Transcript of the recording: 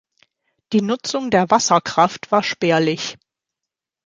Die Nutzung der Wasserkraft war spärlich.